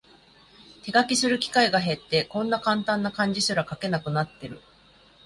手書きする機会が減って、こんなカンタンな漢字すら書けなくなってる